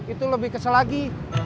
itu lebih kesel lagi